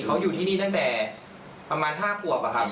เขาอยู่ที่นี่ตั้งแต่ประมาณ๕ขวบอะครับ